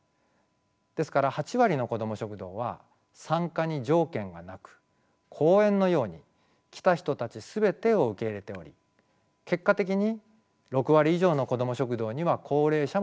ですから８割のこども食堂は参加に条件はなく公園のように来た人たち全てを受け入れており結果的に６割以上のこども食堂には高齢者も参加しています。